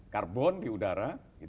karbon di udara